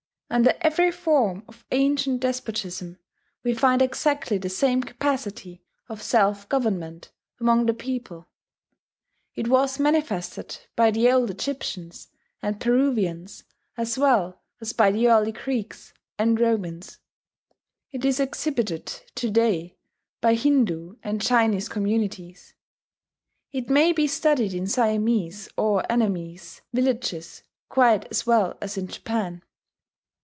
Under every form of ancient despotism we find exactly the same capacity of self government among the people: it was manifested by the old Egyptians and Peruvians as well as by the early Greeks and Romans; it is exhibited to day by Hindoo and Chinese communities; it may be studied in Siamese or Annamese villages quite as well as in Japan.